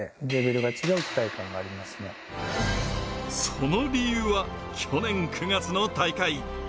その理由は、去年９月の大会。